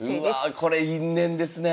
うわこれ因縁ですね！